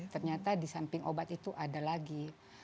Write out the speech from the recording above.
ternyata di samping obat itu ada lagi